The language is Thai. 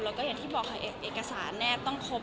แล้วก็อย่างที่บอกค่ะเอกสารแนบต้องครบ